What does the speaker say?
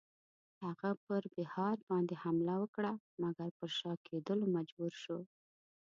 هغه پر بیهار باندی حمله وکړه مګر پر شا کېدلو مجبور شو.